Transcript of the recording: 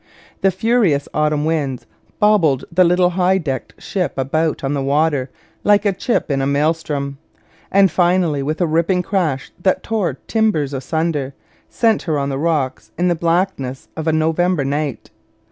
The furious autumn winds bobbled the little high decked ship about on the water like a chip in a maelstrom, and finally, with a ripping crash that tore timbers asunder, sent her on the rocks, in the blackness of a November night.